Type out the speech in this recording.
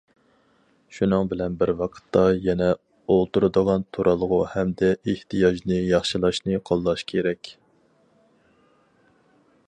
شۇنىڭ بىلەن بىر ۋاقىتتا، يەنە ئولتۇرىدىغان تۇرالغۇ ھەمدە ئېھتىياجنى ياخشىلاشنى قوللاش كېرەك.